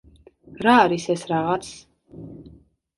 რა არის ეს რაღაც?